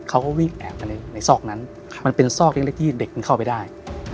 เขาก็วิ่งแอบกันในซอกนั้นมันเป็นซอกเล็กที่เด็กมันเข้าไปได้